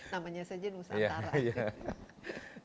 namanya saja nusantara